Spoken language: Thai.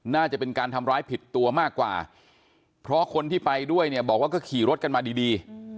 น่าจะเป็นการทำร้ายผิดตัวมากกว่าเพราะคนที่ไปด้วยเนี่ยบอกว่าก็ขี่รถกันมาดี